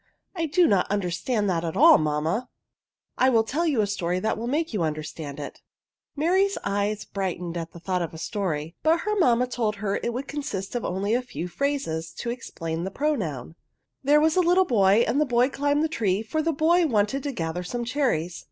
I do not understand that at all, mamma." I will tell you a story that will make you understand it." Mary's eyes brightened at the thought of a story ; but her mamma told her it would consist of only a few phrases PRONOUNS. 15 to explain the pronoun. " There was a little boy, and the boy climbed up a tree, for the boy wanted to gather some cherries.